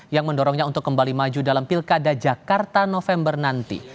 yang mendorongnya untuk kembali maju dalam pilkada jakarta november nanti